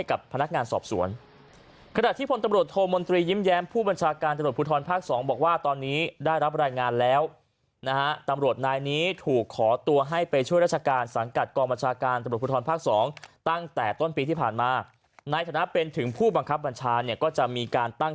ตั้งแต่ต้นปีที่ผ่านมาในทะนะเป็นถึงผู้บังคับบรรชาก็จะมีการตั้ง